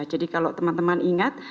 jadi kalau teman teman ingat